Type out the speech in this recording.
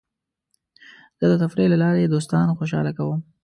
زه د تفریح له لارې دوستان خوشحاله کوم.